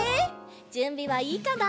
じゅんびはいいかな？